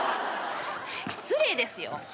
失礼ですよ。